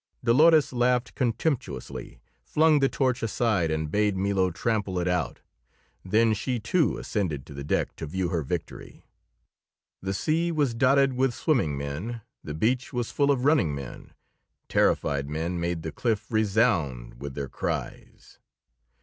Dolores laughed contemptuously, flung the torch aside and bade Milo trample it out, then she, too, ascended to the deck to view her victory. The sea was dotted with swimming men, the beach was full of running men, terrified men made the cliff resound with their cries.